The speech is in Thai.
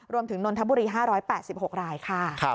รวมถึงนนทบุรี๕๘๖รายค่ะ